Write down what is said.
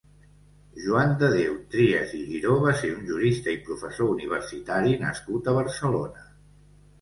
Joan de Déu Trias i Giró va ser un jurista i professor universitari nascut a Barcelona.